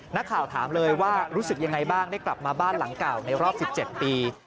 นักข่าวถามเลยว่ารู้สึกยังไงบ้างได้กลับมาบ้านหลังเก่าในรอบ๑๗ปี